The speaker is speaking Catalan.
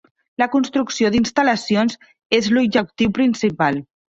La construcció d'instal·lacions és l'objectiu principal.